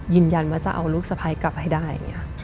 ยืนยันว่าจะเอาลูกสะพ้ายกลับให้ได้